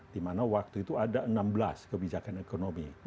di mana waktu itu ada enam belas kebijakan ekonomi